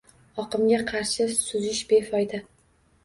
Oqimga qarshi suzish befoyda